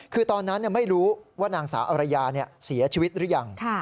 คือตอนนั้นไม่รู้ว่านางสาวอรยาเสียชีวิตหรือยัง